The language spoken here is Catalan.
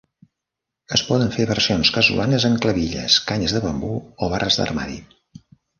Es poden fer versions casolanes amb clavilles, canyes de bambú o barres d'armari.